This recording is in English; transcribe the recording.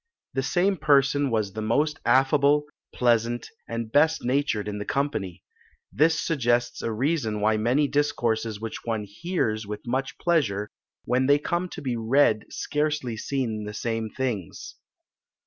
The same person was the most affable, pleasant, and best natured in the company. This suggests a reason why many discourses which one hears with much pleasure, when they come to be read scarcely seem the same things.